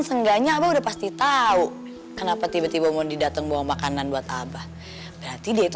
seenggaknya abah udah pasti tahu kenapa tiba tiba mau didatang bawa makanan buat abah berarti dia itu